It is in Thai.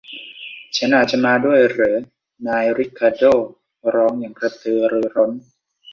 ฉันอาจจะมาด้วยเหรอ ? นายริคาร์โด้ร้องอย่างกระตือรือร้น